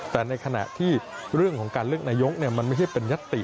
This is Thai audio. แต่ในขณะที่เรื่องของการเลือกนายกมันไม่ใช่เป็นยัตติ